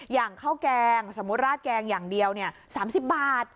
อย่างข้าวแกงสมมุติราดแกงอย่างเดียว๓๐บาท